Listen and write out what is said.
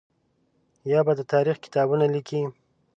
یا به د تاریخ کتابونه لیکي.